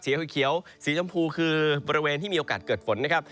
สีชมพูคือบริเวณที่มีโอกาสเกิดฝนนะครับ